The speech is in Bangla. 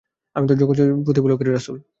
আমি তো জগতসমূহের প্রতিপালকের রাসূল।